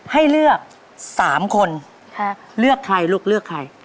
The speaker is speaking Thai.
ให้เลือก๓คนเลือกลูกใคร